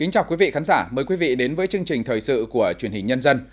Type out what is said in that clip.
chào mừng quý vị đến với chương trình thời sự của truyền hình nhân dân